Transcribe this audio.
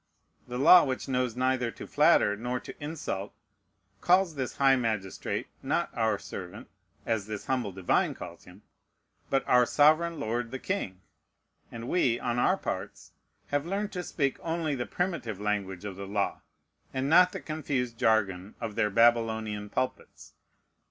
The law, which knows neither to flatter nor to insult, calls this high magistrate, not our servant, as this humble divine calls him, but "our sovereign lord the king"; and we, on our parts, have learned to speak only the primitive language of the law, and not the confused jargon of their Babylonian pulpits.